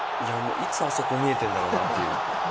いつあそこ見えてるんだろうなっていう。